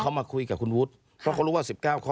เขามาคุยกับคุณวุฒิเพราะเขารู้ว่า๑๙ข้อ